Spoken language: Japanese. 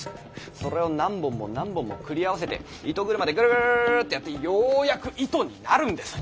それを何本も何本も繰り合わせて糸車でぐるぐるぐるっとやってようやく糸になるんです。